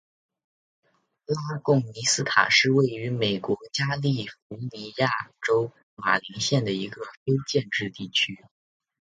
拉贡尼塔斯是位于美国加利福尼亚州马林县的一个非建制地区。